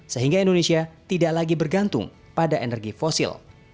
sehingga indonesia tidak lagi bergantung pada energi fosil